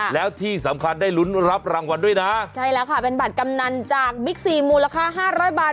แล้วที่สำคัญได้ลุ้นรับรางวัลด้วยนะใช่แล้วค่ะเป็นบัตรกำนันจากบิ๊กซีมูลค่าห้าร้อยบาท